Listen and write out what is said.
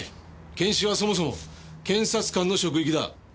検視はそもそも検察官の職域だ。